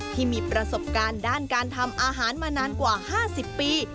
ที่มีประสบการณ์ด้านการทำอาหารมานานกว่า๕๐ปี